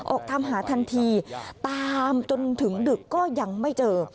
ออกตามหาทันทีตามจนถึงดึกก็ยังไม่เจอ